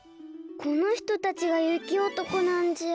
このひとたちがゆきおとこなんじゃ。